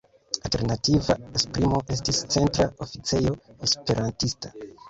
Alternativa esprimo estis "Centra Oficejo Esperantista".